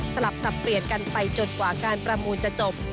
สลับสับเปลี่ยนกันไปจนกว่าการประมูลจะจบ